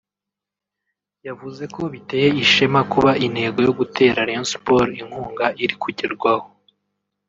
yavuze ko biteye ishema kuba intego yo gutera Rayon Sports inkunga iri kugerwaho